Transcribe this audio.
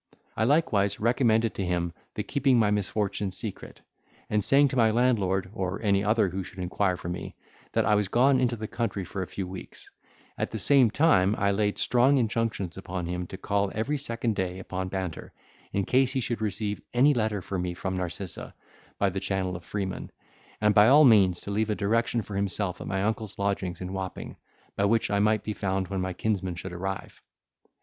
I likewise recommended to him the keeping my misfortune secret, and saying to my landlord, or any other who should inquire for me, that I was gone into the country for a few weeks: at the same time I laid strong injunctions upon him to call every second day upon Banter, in case he should receive any letter for me from Narcissa, by the channel of Freeman; and by all means to leave a direction for himself at my uncle's lodgings in Wapping, by which I might be found when my kinsman should arrive.